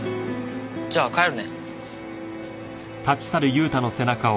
じゃあ帰るね。